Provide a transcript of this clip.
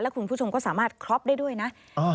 แล้วคุณผู้ชมก็สามารถคล็อปได้ด้วยนะ